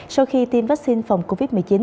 sau khi tiêm vaccine phòng covid một mươi chín